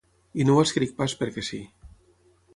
I no ho escric pas perquè sí.